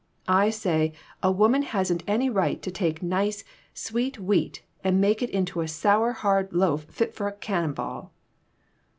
I say a woman hasn't any right to take nice, sweet wheat and make it into a sour, hard loaf fit for a cannon ball."